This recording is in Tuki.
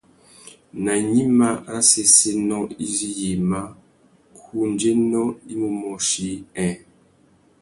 Nà gnïmá râ séssénô izí yïmá, ngundzénô i mú môchï : nhêê.